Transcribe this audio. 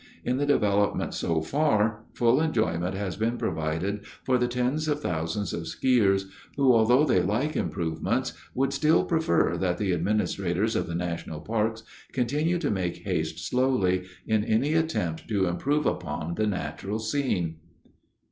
In the development so far, full enjoyment has been provided for the tens of thousands of skiers who, although they like improvements, would still prefer that the administrators of the national parks continue to make haste slowly in any attempt to improve upon the natural scene."